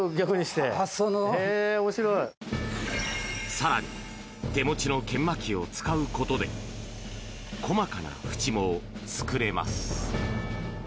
更に手持ちの研磨機を使うことで細かな縁も作れます。